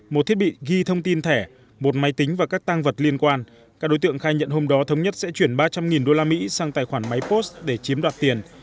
một thiết bị ghi thông tin thẻ một máy tính và các tăng vật liên quan các đối tượng khai nhận hôm đó thống nhất sẽ chuyển ba trăm linh usd sang tài khoản máy post để chiếm đoạt tiền